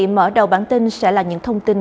mở đầu bản tin sẽ là những thông tin